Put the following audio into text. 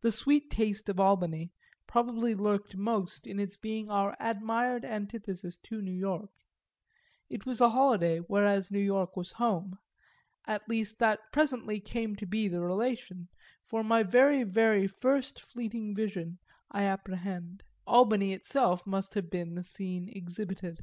The sweet taste of Albany probably lurked most in its being our admired antithesis to New York; it was holiday, whereas New York was home; at least that presently came to be the relation, for to my very very first fleeting vision, I apprehend, Albany itself must have been the scene exhibited.